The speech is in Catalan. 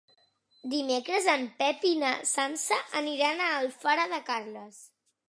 Dimecres en Pep i na Sança aniran a Alfara de Carles.